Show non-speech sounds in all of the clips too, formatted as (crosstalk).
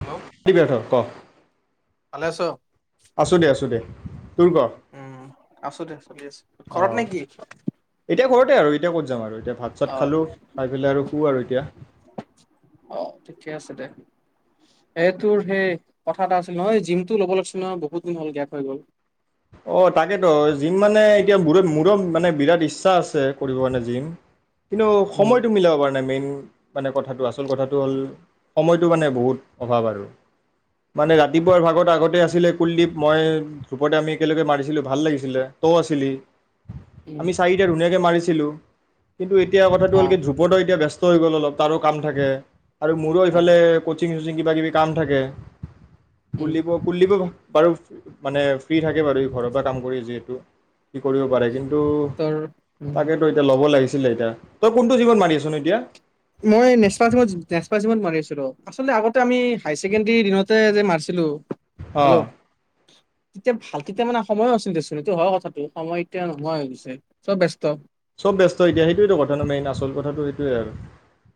Hello কি বঠ ক ভালে আছ আছোঁ দে আছোঁ দে তোৰ ক উম আছো দে আছো দে আছ ঘৰত অঁ নে কি এতিয়া ঘৰতে আৰু এতিয়া কত যাম আৰু এতিয়া ভাত অ চাত খালোঁ খাই পেলাই আৰু শুওঁ আৰু এতিয়া এইটোৰ সেই কথা এটা আছিল নহয় জিমটো ল'ব লাগিছিল নহ বহুত দিন হ'ল গেপ হৈ গ'ল অ' তাকেতো জিম মানে এতিয়া ম মোৰো মানে বিৰাট ইচ্ছা আছে কৰিব কাৰণে জিম কিন্তু উম সময়তটো মিলাব প নাই মেইন মানে কথাটো আচল কথাটো হ'ল সময়টো মানে বহুত অভাৱ আৰু মানে ৰাতিপুৱাৰ ভাগত আগতে আছিলে কুলদীপ মই ধ্ৰূপদা আমি একেলগে মাৰিছিলো ভাল লাগিছিলে তই আছিলি উম আমি চাৰিটা ধুনীয়াকে মাৰিছিলো কিন্তু এটোয়া এতিয়া কথাটো অ হ'ল ধ্ৰুপদা এতিয়া ব্যস্ত হৈ গল অলপ তাৰো কাম থাকে আৰু মোৰো অ এইফালে কচিং কিবা কিবি কাম থাকে উম কুলদীপ কুলদীপ ও, বাৰু মানে ফ্ৰী থাকে। তাকে বাৰু এই ঘৰৰ পৰা কাম কৰি যিহেতু স কৰিব পাৰে কিন্তু তোৰ কি (unintelligible) উম তাকেতো এতিয়া ল'ব লাগিছিলে এতিয়া তই কোনটো জীৱত মাৰি আছ ন এতিয়া মই নেচা জীমত মাৰি আছিলো আগতে আমি হাই ছেকেণ্ডাৰী দিনতে যে মাৰিছিলো, হেল্ল' অ' তেতিয়া ভাল তেতিয়া মানে সময়ো চিন্তাচোন এইটো হয় কথাটো সময় এতিয়া নোহয় হৈ গৈছে চব ব্যস্ত চব ব্যস্ত এতিয়া সেইটো কথা ন মেইন আচল কথাটো সেইটোৱে আৰু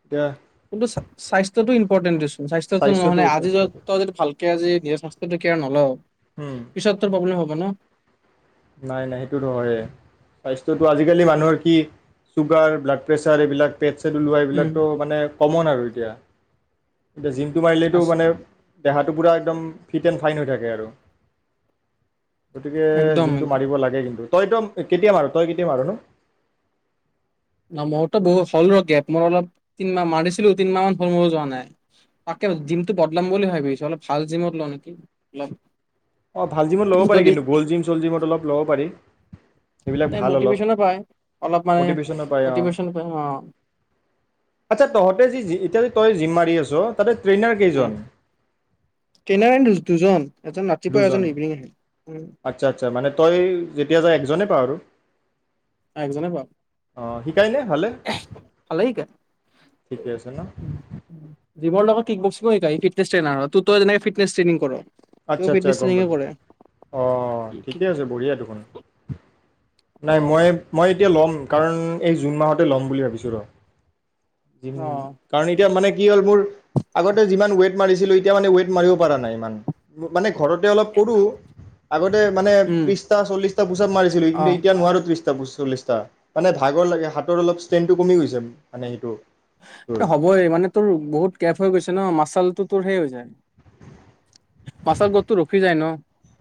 এতিয়া কিন্তু স্বাস্থ্যতটো ইম্পৰ্টেন দি স্বাস্থ্যতটো স্বাস্থ্যটো নহলে আজি স্বাস্থ্যটো যদি ভালকে আজিয়ে স্বাস্থ্যৰ কেয়াৰ নলও পিছত তোৰ প্ৰব্লেম হব ন নাই নাই সেইটোতো হয় স্বাস্থ্যটো আজিকালি মানুহৰ কি চুগাৰ ব্লাড প্ৰেছাৰ এইবিলাক পেট চেট ওলোৱা উম এইবিলাকতো মানে কমন আৰু এতিয়া! এতিয়া জিমটো মাৰিলেতটো আছে মানে, দেহাটো পুৰা একদম ফিট এণ্ড ফাইন হৈ থাকে আৰু গতিকে একদম একদম য লাগে কিন্তু তইতো কেতিয়া মাৰো তই কেতিয়া মাৰ ন ন মইতো বহুত হ'ল ৰ গেপ, মই অলপ তিন মাহ মাৰিছিলোঁ, তিনমাহ মান হল মো যোৱা নাই, তাকে জিমটো বদলাম বুলি ভাবিছোঁ, অলপ ভাল জিমত লওঁ নেকি? অলপ অ', ভাল জিমত ল'ব পাৰি যদি কিন্তু গল জিম চল জিমত অলপ ল'ব পাৰি। সেইবিলাক মানে ভাল অলপ, মটিভেশ্যনো পায় অলপ মানে মটিভেশ্যনো পাই অ'। মটিভেশ্যন পায় অ আচ্ছা তহঁতে যি এতিয়া তই জিম মাৰি আছ, তাতে ট্ৰেইনাৰ উম, কেইজন ট্ৰেইনাৰ দুজন। এজন ৰাতিপুৱা এজন দুজন, ইভিনিং আহে উম আচ্ছা-আচ্ছা মানে তই যেতিয়া যা এ জনে পা আৰু। একজনে অঁ শিকায়নে ভালে (unintelligible) ভালেই শিকাই। ঠিকে আছে ন জিমৰ লগত কিক্ বক্সিংঙো‌ শিকাই, সি ফিটনেচ টেইনাৰ হয়, তু, তই যেনেকে ফিটনেচ ট্ৰেইনিং কৰ। সিও আচ্ছা আচ্ছা ফিটনেছ গম ট্ৰেইনিঙে পালোঁ। কৰে অ', কি- ঠিকে কি- আছে, বঢ়িয়া দেখোন। অ নাই, মই-মই এতিয়া ল'ম। কাৰণ এই জুন মাহতে ল'ম বুলি ভাবিছোঁ ৰ। জিম, অ কাৰণ এতিয়া মানে কি হ'ল মোৰ, আগতে যিমান ৱেইট মাৰিছিলোঁ, এতিয়া মানে ৱেইট মাৰিব পৰা নাই ইমান। ম-মানে ঘৰতে অলপ কৰোঁ, আগতে মানে উম ত্ৰিশটা চল্লিশটা পোচাপ মাৰিছিলোঁ, অ কিন্তু এতিয়া নোৱাৰোঁ ত্ৰিশ পচল্লিছটা, মানে ভাগৰ লাগে। হাতৰ অলপ ষ্ট্ৰেনটো কমি গৈছে, মানে সেইটো তোৰ এইটো হ'বই, মানে তোৰ বহুত গেপ হৈ গৈছে ন, মাচালটো তোৰ সেই হৈ যায় মাচাল গ্ৰথটো ৰখি যায় ন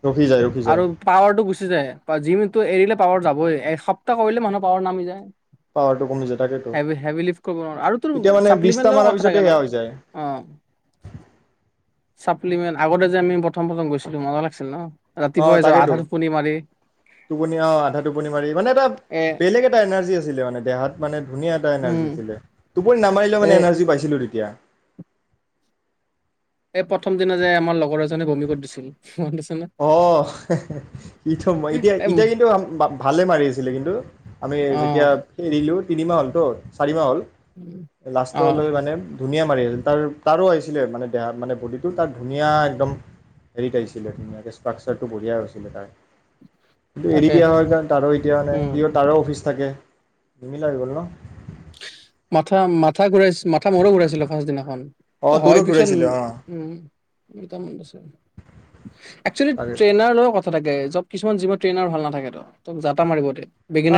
ৰখি যায় ৰখি যায় আৰু পাৱাৰটো গুচি যায়। জিমতো এৰিলে পাৱাৰ যাবই, এসপ্তাহ কৰিলে মানুহ পাৱাৰ নামি যায়। পাৱাৰটো কমি যায়, তাকেইেতো। হেভি হেভি লিফ্ট কৰিব নোৱাৰো আৰু তোৰ চাপ্লিমেণ্ট লৈ কথা থাকে ন? যায় অ'। চাপ্লিমেণ্ট, আগতে যে আমি প্ৰথম প্ৰথম গৈছিলোঁ মজা লাগিছিল ন? অ' ৰাতিপুৱাই যাওঁ আধা তাকেইেতো, টোপনি মাৰি টোপনি অ' আধা টোপনি মাৰি, মানে এটা এ বেলেগ এটা এনাৰ্জি আ আছিলে মানে, দেহত মানে ধুনীয়া এটা এনাৰজি উম আছিলে, টোপনি নামাৰিলেও এ মানে এনাৰজি পাইছিলোঁ তেতিয়া। এই প্ৰথম দিনা যে আমাৰ লগৰ এজনে বমি কৰি দিছিল। মনত আছে নে অ', ইটো এ এতিয়া-এতিয়া কিন্তু ভালে মাৰি আছিলে কিন্তু, আমি অ যেতিয়া এৰিলোঁ। তিনিমাহ হ'ল তো, চাৰিমাহ হ'ল। অ লাষ্টতলৈ মানে ধো ধুনীয়া মাৰি আছিল, তাৰ তাৰো আহিছিলে মানে দেহা মানে বডিটো তাৰ ধুনীয়া একদম হেৰিত আহিছিলে, ধুন ষ্ট্ৰাকচাৰটো বঢ়িয়া হৈছিলে তাৰ। এৰি তাকে দিয়া হয় কাৰণ তাৰো এতিয়া উম মানে তাৰো অফিচ থাকে। নিমিলা হৈ গল ন। মাথা মাথা ঘূৰাইছে মাথা মোৰো ঘুৰাইছিল ফাষ্টৰ দিনাখন অ তোৰো হয়, পিছত উ ঘূৰাইছিলে অ একেচুবেলি তাকে আ ট্ৰেইনাৰ লগত কথা। থাকে চব কিছুমান জিম ট্ৰেইনাৰ ভাল নাথাকেতো তোক যাতা মাৰিব দে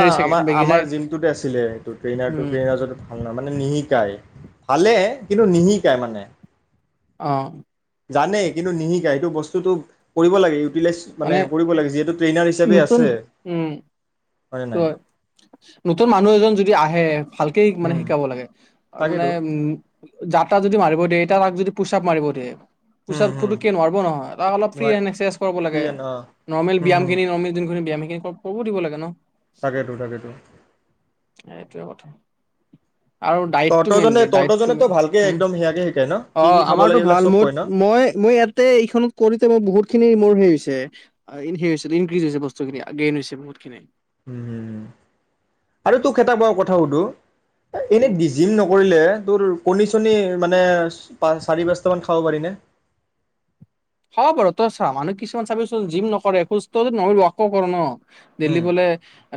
অ চাগে বিগিনাৰ আমাৰ-আমাৰ জিমটোতে আছিলে এটো ট্ৰেনাৰ এটো উম ট্ৰেনাৰ জনো ভাল নহয়, মানে নিশিকাই। ভালে কিন্তু নিশিকাই মানে অ জানেই কিন্তু নিশিকাই, সেইটো বস্তুতটো কৰিব লাগে টিলাইজ মানে কৰিব লাগে, যিহেতু ট্ৰেইনাৰ হিচাপে আছে। হয়নে টো নাই হয়। নতুন মানুহ এজন যদি আহে, ভালকে মানে উম শিকাব লাগে। আৰু মানে তাকেতো উম যাতা যদি মাৰিব দিয়ে কাবাক যদি পোচাপ মাৰিব দিয়ে উম পুচয়াপ হুম নোৱাৰব নহয় তাক অলপ ফ্ৰী হেন্ড একাৰচাইজ কৰিব লাগে অ নৰ্মেল উম হুম ব্যায়ামখিনি ন চব কব দিব লাগে ন তাকেইেতো তাকেইেতো এটোৱে কথা আৰু ডাইট মেইন তহঁতৰজনে তহঁতৰজনেতো ভালকে হুম একদম সেয়াকে শিকায় ন অ কি কি খাব লাগে আমাৰতো এইবিলাক ভাল চব ম কয় ন মই মই ইয়াতে এইখনত কৰোতে মোৰ বহুখিনি মোৰ সেই হৈছে ইনক্ৰিজ হৈছে বস্তুখিনিগ্ৰেইন হৈছে বহুতখিনি আৰু তোক এটা ম, ই কথা সুধো এনেই উম ডি জিম নকৰিলে তোৰ কণী চণী মানে পাঁচ, চাৰি, পাঁচটা মান খাব পাৰিনে? খাব পাৰোঁ তই চা মানুহ কিছুমান চাবি চোন জিম নকৰে সুস্থ নহ ৱাকো কৰ ন। ডেইলি উম, বোলে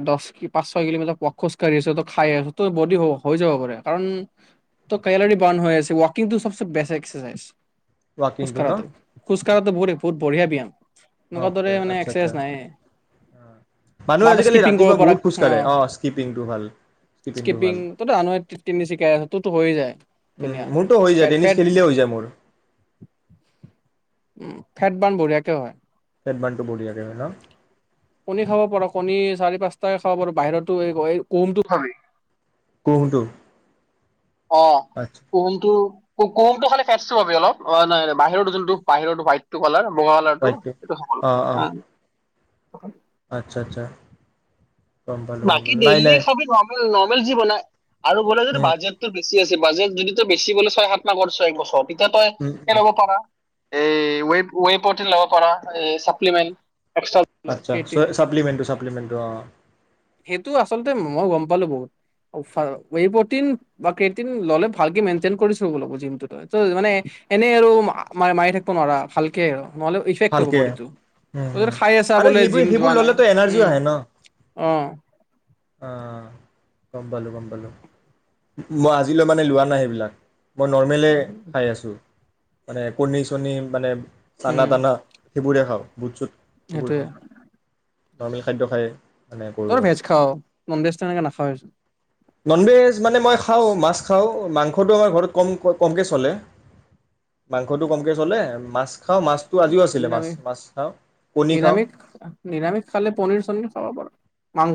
দশ কিপ। পাঁচ ছয় কিলোমিটাৰ প খোজকাঢ়ি আছ'। তই খায় আছ'। তোৰ বদি হৈ যাব পাৰে কাৰণ তোৰ কেলৰি ৰ্বাণ হৈ আছে। ৱাকিং টো চবচে বেষ্ট এস্কেচাইচ। ৱাকিং টো ন'। খোজকাঢ়া টো বহুত বঢ়িয়া ব্যায়াম। এনেকুৱা দৰে অকে মানে আচছা, আচছা। এক্সাৰচাইজ নাই বা মানুহে তই আজিকালি স্কিপিং ৰাতিপুৱা কৰিব পাৰা বহুত খোজ কাঢ়ে, অ', স্কিপিংটো ভাল, স্কিপিং টো ভাল। তইতো জানই টেনিছ শিকাই আছ তোৰতো হৈয়ে যায় ধুনীয়া। মোৰটো হৈ যায়, ফেট টেনিছ ফেট খেলিলে হৈ যায় মোৰ। উম, ফেট ৰ্বাণ বঢ়িয়া কে হয়। ফেট ৰ্বাণ টো বঢ়িয়া কে হয় ন? কণী খাব পাৰ, কণী চাৰি, পাঁচটা খাব পাৰো, বাহিৰতো এই-এই কোহুমটো খাবি। কুহুমটো অ', আচ্ছা কুহুমটো কুহুমটো খালে ফেটচ পাবি অলপ, বাহিৰটো যোনটো বাহিৰৰ টো ৱাইট টো কালাৰ বগা কালাৰ টো হোৱাইটটো সেইটো অঁ অঁ (unintelligible) (unintelligible) আচ্ছা আচ্ছা। গম পালোঁ গম বাকী পালোঁ নাই ডেইলি নাই (unintelligible) নৰ্মেল যি বনাই। আৰু বলে যদি উম, বাজেটতো বে বেচি আছে, বাজেট যদিতো বেছি বলে ছয়, সাত মাহ কোৰিচো একবছৰ তে তই উম, উম। (unintelligible) এই ৱেব ৱেবতে ল'ব পাৰা, এই চাপ্লিমেণ্ট। এক্সট্ৰা আচ্ছা ছ ছাপ্লিমেণ্টটো, ছাপ্লিমেণ্টটো অ'। এইটো আচলতে মইও গম পালো বহুত (unintelligible) ৱেই প্ৰটিন বা ক্ৰেটিন ললে ভালকে মেইনটেইন কৰি চলিব লাগিব জিমটো তোই। তোই মানে এনেই আৰু মা-মা মাৰি থাকিব নোৱাৰা ভালকে আৰু। নহলে ইফেক্ট হ'ব ভালকে বডিটো। উম অ হম খাই আছা আৰু বোলে সেইবোৰ জিম যোৱা সেইবোৰ নাই, ল'লেতো এনাৰ্জিও উম। আহে ন উম। অ' গম পালো গম পালো, মই আজিলৈ মানে লোৱা নাই সেইবিলাক। মই নৰ্মেলে খাই আছোঁ। মানে কণী চণী মানে চানা উম তানা। সেইবৰে খাওঁ, বুট চুট। সেইবোৰ সেইটোয়ে খাওঁ, নৰ্মেল খাদ্য খাই মানে কৰোঁ আৰু। ননভেজ তেনেকে নাখাওঁএছুন। নন বে মানে মই খাওঁ, মাছ খাওঁ। অ মাংসটো আমাৰ ঘৰত কম কমকে চলে, মাংসটো কমকে চলে মাছ খাওঁ মাছটো আজিও আছিলে মাছ নিৰামিষ, মাছ খাওঁ কণী খাওঁ নিৰামিষ, নিৰামিষ খালে পনীৰ চনিৰ খাব পাৰো।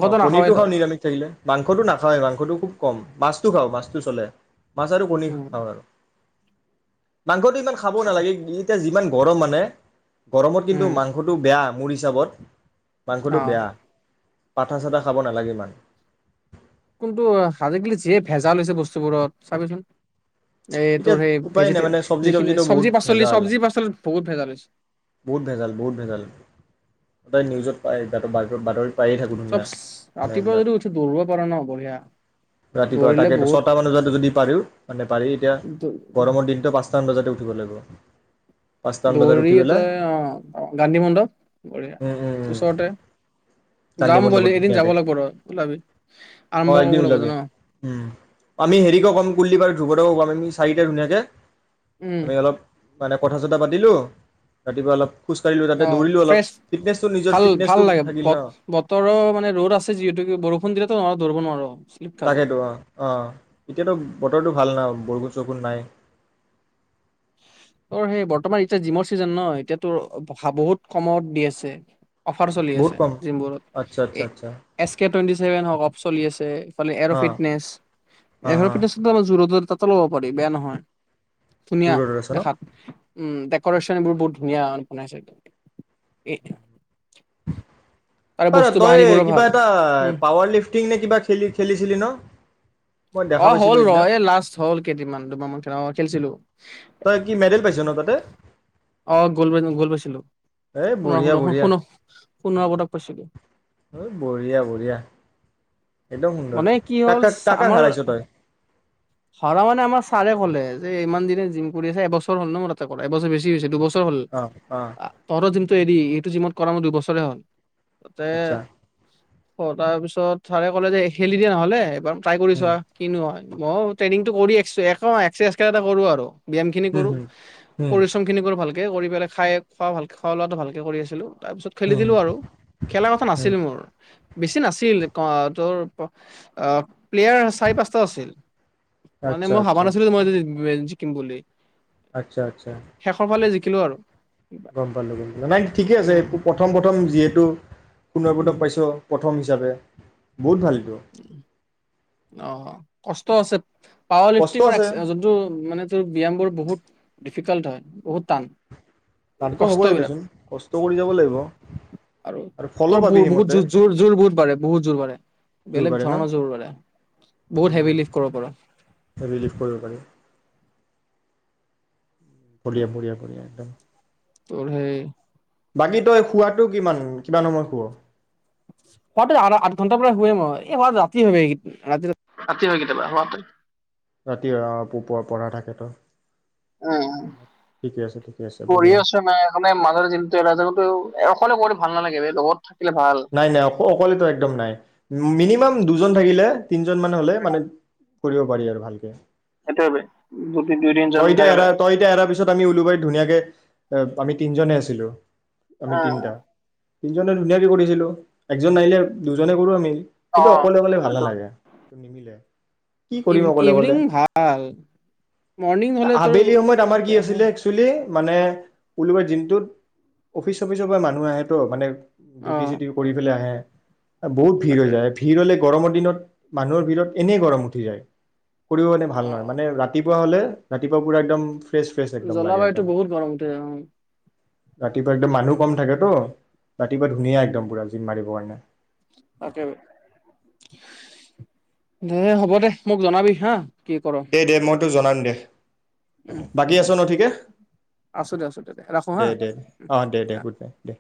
অ পনীৰটো খাওঁ নিৰামিষ থাকিলে, মাংসটো নাখাও মাংসটো খুব কম। মাছটো খাওঁ, মাছটো চলে। মাছ আৰু কণী উম খাওঁ আৰু। মাংসটো ইমান খাবৌ নালাগে এতিয়া যিমান পৰো মানে? গৰমত কিন্তু উম মাংসটো বেয়া। মোৰ হিচাপত। মাংসটো অ। বেয়া। পাঠা চাঠা খাব নালাগে ইমান। কোনটো (unintelligible) যিয়ে ভেজাল হৈছে বস্তুবোৰত, চাবিচোন। এই তোৰ এতিয়া সেই উপায় নাই ভেজিতে মানে চব্জি যিখিনি তবজিটো বহুত চবজি পাচলি ভেজাল চবজি পাচলি বহুত ভেজাল হৈছে। বহুত ভেজাল বহুত ভেজাল সদায় নিউজত পাই থাকো। বাতৰিত পায়ে থাকো চব দুনিয়া এনে ৰাতিপুৱা বিলাক যদি উঠি দৌৰিব পাৰ ন বঢ়িয়া ৰাতিপুৱা দৌৰিলে তাকে বহুত ছয় মানত যদি পাৰি মানে পাৰি এতিয়া গৰমৰ দিন পাঁচটা পাঁচ মান বজাতে উঠিব লাগিব পাঁচটা মান বজাত দৌৰি উঠিব পালে তই অ গান্ধী মণ্ডপ উম উম উম ওচৰতে গান্ধী যাম বুলি মণ্ডপত এদিন যাব ধুনীয়াকে লাগিব ৰ ওলাবি অ আৰম্ভ একদিন কৰিব লাগিব ওলাবি ন দুশ দুশ কৰি আমি চাৰিটা ধুনীয়াকে উম আমি অলপ মানে কথা চথা পাতিলো ৰাতিপুৱা অলপ খোজকাঢ়িলো তাতে অ দৌৰিলো অলপ ফ্ৰেছ ফিটনেচটো নিজৰ ভাল ভাল ফিটনেচটো লাগে থাকিল ন বতৰৰ মানে ৰ'দ আছে যিহেতুকে বৰষুণ দিলেতো ন দৌৰিব নোৱাৰ শ্লিপ খাবি তাকেতো অ অ এতিয়াতো বতৰটো ভাল ন বৰুষুণ চৰষুণ নাই। তোৰ সেই বৰ্তমান এতিয়া জিমৰ ছিজন ন এতিয়াতো বহুত কমত দি আছে। অফাৰ চলি বহুত আছে। কম জিমবোৰত আচ্ছা আচ্ছা আচ্ছা এছ কে টুৱেন্তিছেভেন হক চলি আছে ফালে অ এৰ'ফিটনেছ অ অ এৰফিটনেছম জোৰত তাত ল'ব পাৰি বেয়া নহয়। ধুনীয়া যোৰডত আছ ন দেখাত উম ডেক'ৰেচন এইবোৰ বহুত ধুনীয়া বনাইছে একদ এ তাৰে অ ৰ বস্তু তই বাহানীবোৰো ভাল কিবা এটা উম পাৱাৰ লিফ্টিং নে কিবা খেলি খেলিছিলি ন? মই দেখা অ পাইছিলোঁ হ'ল সিদিনা ৰহ লাষ্ট হ'ল কেইদিনমান দুমাহ মান খেল খেলিছিলোঁ। (unintelligible) তই কি মেডেল পাইছ ন তাতে? অ গ'ল মেডেল গ'ল পাইছিলোঁ। এ বঢ়িয়া বঢ়িয়া পোন্ধৰ পদক পাইছিলো এ বঢ়িয়া বঢ়িয়া একদম সুন্দৰ মানে কি কাক হ'ল কাক কাক কাক আমাৰ হাৰাইছ তই হৰা মানে আমাৰ চাৰে কলেজ। যে ইমান দিনে জিম কৰি আছে এবছৰ হল ন মোৰ তাতে কৰা, এবছৰ বেছি হৈছে দুবছৰ হ'ল অ অ তহঁতৰ জিমটোৱে এইটো জিমত কৰা মোৰ দুইবছৰে হ'ল। তাতে। আচ্ছা অ তাৰ পিছত ছাৰে ক'লে যে খেলি দিয়া নহ'লে এবাম ট্ৰাই কৰি উম চোৱা কিনো হয়। মইও ট্ৰেনিং টো কৰি আইছো। আকৌ এক্সট্ৰাকে কিবা এটা কৰো আৰু। ব্যাম খিনি হুম কৰো, হুম হুম পৰিশ্ৰম খিনি কৰো ভালকে। এ কৰি পেলাই, খাই খোৱা ভালকে, খোৱা লোৱাটো ভালকে কৰি আছিলো। তাৰ পিছত খেলি হুম দিলো আৰু খেলা কথা হুম নাছিল মোৰ। বেছি নাছিল। ক তোৰ অ', প্লেয়াৰ চাৰি পাঁচটা আছিল। মানে আচ্ছা মই ভাবা আচ্ছা নাছিলো, মই যে (unintelligible) জিকিম বুলি। আচ্ছা আচ্ছা, শেষৰ ফালে জিকিলোঁ আৰু গম পালো গম পালো, নাই ঠিকেই আছে উম প্ৰথম প্ৰথম যিহেতু। সোণৰ উম পদক পাইছো প্ৰথম। (unintelligible) বহুত ভাল। এইটো উম। অ, কষ্ট আছে। পাৱাৰ কষ্ট লিফটিঙৰ আছে (unintelligible) যোনটো মানে তোৰ ব্যামবোৰ বহুত। ডিফিক্লট হয় বহুত টান। টানটো কষ্ট হ'বই বিৰাত, দেচোন কষ্ট কৰি যাব লাগিব আৰু ফলো তোৰ পাবি বহুত বহুত সেইমতে জো জোৰ জোৰ বহুত বাঢ়ে বহুত জোৰ বাঢ়ে। জোৰ বেলেগ বাৰে ন ধৰণৰ জোৰ বাঢ়ে বহুত হেভী উম লিফ কৰিব পাৰো। ৰিলিফ কৰিব পাৰি বঢ়িয়া, বঢ়িয়া, বঢ়িয়া একদম। তুৰহে এই বাকী তই শুৱাটো কিমান, কিমান সময়ত শুৱ? শুৱাটো আঠ আঠ ঘন্টাৰ পৰা শুইয়ে লওঁ, এই ৰাতি হয় কেতিয়াবা, শুৱাটো। ৰাতি হয় অ, পো প পৰা থাকেতো। উম, ঠিকে আছে ঠিকে আছে কৰি বঢ়িয়া আছো (unintelligible) ভাল নালাগেদে লগত থাক নাই নাই, অক অকলেটো একদম নাই মিনিমাম দুজন থাকিলে তিনিজন মান হ'লে মানে, কৰিব পাৰি আৰু ভালকে। সেইটোৱে বে, দুই দুই তিনজন তই এতিয়া থাকিলে, এৰা, তই এতিয়া এৰাৰ পিছত, আমি ওলোবাৰীত ধুনীয়াকে এ আমি তিনিজনেই আছিলোঁ। আমি অ', তিনিটা। তিনিজনে ধুনিয়া কৰিছিলো। একজন নাহিলে দুজনে কৰো আমি। কিন্তু অ'। অকলে কলে ভাল নালাগে নিমিলে কি ইভ কৰিম অকলে ইভিনিং কলে ভাল। মৰ্ণিং হ'লে তোৰ আবেলি সময়ত আমাৰ অলপ কি হে আছিলে একচুৱেলি মানে (inaudible) দিনটোত অফিচ চফিচৰ পৰা মানুহ আহেতো মানে অ ডিউটি চিউটি কৰি পেলাই আহে বহুত ভিৰ হৈ যায় ভিৰ হ'লে গৰমৰ দিনত মানুহৰ ভিৰৰত এনেই গৰম উঠি যায় কৰিও মনে ভাল অ নহয় মানে ৰাতি হলে ৰাতিপুৱা পুৰা একদম ফ্ৰেছ ফ্ৰেছ একদম লাগে জলবায়ুতটো একদম বহুত গৰম উঠে অ ৰাতিপুৱা একদম মানুহ কম থাকেতো ৰাতিপুৱা ধুনীয়া একদম পুৰা জিম মাৰিবৰ কাৰণে তাকেব দে হ'ব দে মোক জনাবি হা কি কৰ টো জনাম দে উম বাকী দে আছ ন ঠিকে আছো দে আছো দে ৰাখো দে হা দে দে অঁ দে দে অ গুড নাইট দে